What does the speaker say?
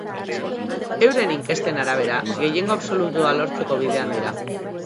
Euren inkesten arabera, gehiengo absolutua lortzeko bidean dira.